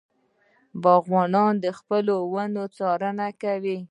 باغبان د خپلو ونو څارنه کوي.